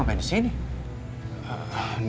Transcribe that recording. kenapa kamu sampai di sini